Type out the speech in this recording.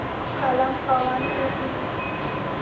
قلم خاوند پوهېږي.